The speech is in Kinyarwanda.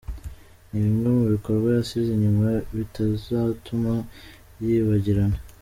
ni bimwe mu bikorwa yasize inyuma bitazatuma yibagirana.